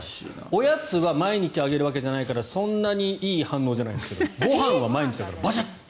おやつは毎日あげるわけじゃないからそんなにいい反応じゃないけどご飯は毎日食べるからバシャッと。